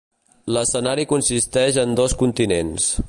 L'escenari consisteix en dos continents.